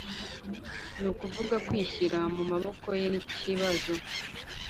ni ukuvuga kwishyira mu maboko ye nikibazo